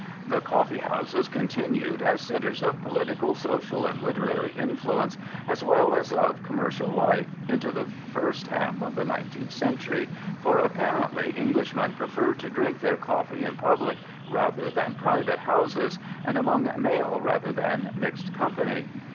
The coffee houses continued as centers of political, social, and literary influence as well as of commercial life into the first half of the 19th century, for apparently Englishmen preferred to drink their coffee in public rather than private houses and among male rather than mixed company.